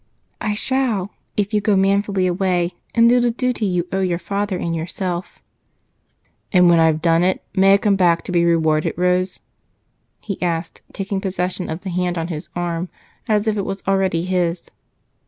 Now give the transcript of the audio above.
"I shall, if you go manfully away and do the duty you owe your father and yourself." "And when I've done it, may I come back to be rewarded, Rose?" he asked, taking possession of the hand on his arm as if it was already his.